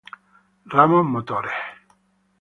Ramos motores.